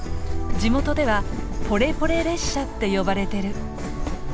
地元では「ポレポレ列車」って呼ばれてる。